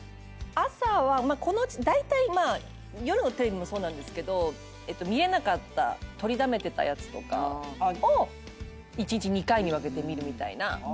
朝はだいたいまあ夜のテレビもそうなんですけど見れなかったとりだめてたやつとかを一日２回に分けて見るみたいな。